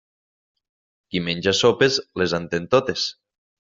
Qui menja sopes, les entén totes.